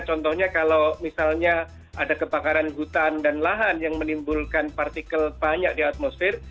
contohnya kalau misalnya ada kebakaran hutan dan lahan yang menimbulkan partikel banyak di atmosfer